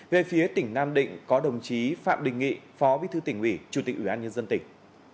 về phía tỉnh nam định có đồng chí phạm đình nghị phó bí thư tỉnh ủy chủ tịch ủy ban nhân dân tỉnh